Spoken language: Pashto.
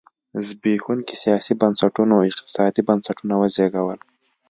زبېښونکي سیاسي بنسټونو اقتصادي بنسټونه وزېږول.